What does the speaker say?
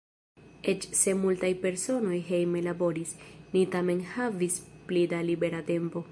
Eĉ se multaj personoj hejme laboris, ni tamen havis pli da libera tempo.